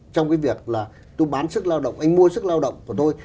trong cái việc là tôi bán sức lao động anh mua sức lao động của tôi